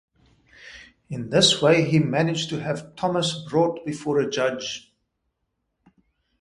In this way he managed to have Thomas brought before a judge.